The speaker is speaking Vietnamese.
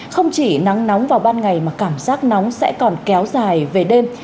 không chỉ nắng nóng vào ban ngày mà cảm giác nóng sẽ còn kéo dài về đêm